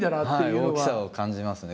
大きさを感じますね